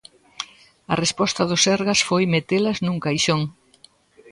A resposta do Sergas foi metelas nun caixón.